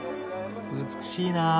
美しいなあ。